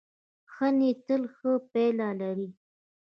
ښه نیت تل ښې پایلې لري.